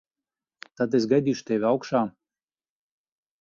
Tad es gaidīšu tevi augšā.